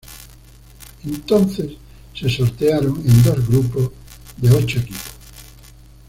Entonces, se sortearon en dos grupos de ocho equipos.